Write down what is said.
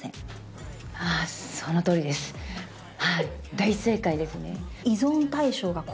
大正解ですね。